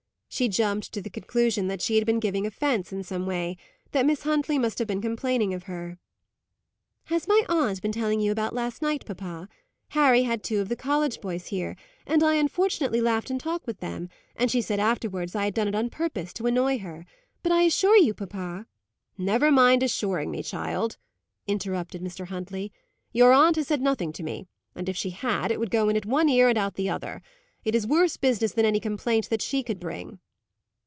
She jumped to the conclusion that she had been giving offence in some way that Miss Huntley must have been complaining of her. "Has my aunt been telling you about last night, papa? Harry had two of the college boys here, and I unfortunately laughed and talked with them, and she said afterwards I had done it on purpose to annoy her. But I assure you, papa " "Never mind assuring me, child," interrupted Mr. Huntley. "Your aunt has said nothing to me; and if she had, it would go in at one ear and out at the other. It is worse business than any complaint that she could bring."